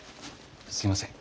すいません。